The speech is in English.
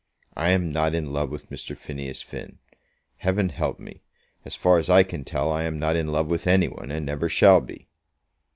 I am not in love with Mr. Phineas Finn. Heaven help me; as far as I can tell, I am not in love with any one, and never shall be."